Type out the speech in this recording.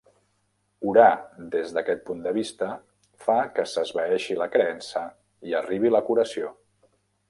Orar des d'aquest punt de vista fa que s'esvaeixi la creença i arribi la curació.